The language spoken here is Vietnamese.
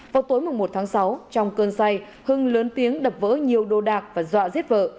vào tối một tháng sáu trong cơn say hưng lớn tiếng đập vỡ nhiều đồ đạc và dọa giết vợ